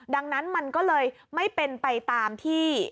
ดังนั้นมันก็เลยไม่เป็นไปตามที่